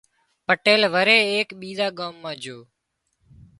پٽيل وري ايڪ ٻيۯان ڳام مان جھو